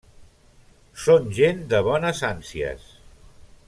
Són gent de bones ànsies.